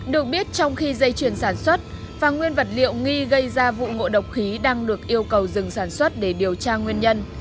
được biết trong khi dây chuyền sản xuất và nguyên vật liệu nghi gây ra vụ ngộ độc khí đang được yêu cầu dừng sản xuất để điều tra nguyên nhân